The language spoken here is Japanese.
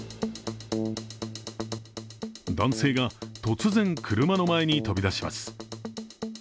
男性が突然、車の前に飛び出します